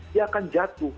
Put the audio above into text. dia akan jatuh